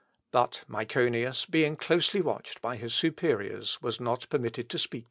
But Myconius being closely watched by his superiors, was not permitted to speak to Luther.